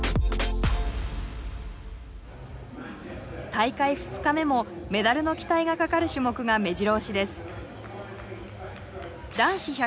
大会２日目もメダルの期待がかかる種目がめじろ押しです。